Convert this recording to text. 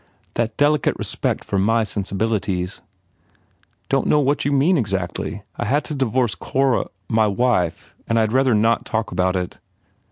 "That delicate respect for my sensibilities." "Don t know what you mean exactly. I had to divorce Cor my wife and I d rather not talk about it."